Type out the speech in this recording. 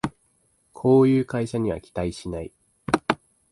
こういう会社には期待しない